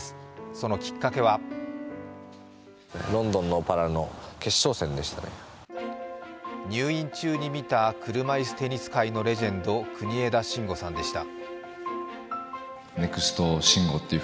そのきっかけは入院中に見た車いすテニス界のレジェンド、国枝慎吾さんでした。